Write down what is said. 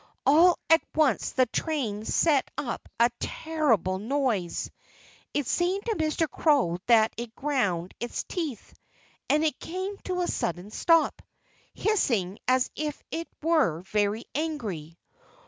All at once the train set up a terrible noise. It seemed to Mr. Crow that it ground its teeth. And it came to a sudden stop, hissing as if it were very angry.